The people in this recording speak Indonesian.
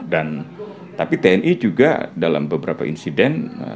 dan tapi tni juga dalam beberapa insiden